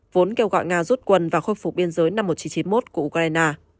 vốn kêu gọi nga rút quân và khôi phục biên giới năm một nghìn chín trăm chín mươi một của ukraine